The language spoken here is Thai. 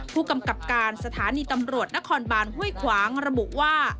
ผู้กำกับการสถานีตำรวจนครบานห้วยขวางระบุว่า